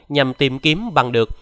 nhằm tìm kiếm bằng được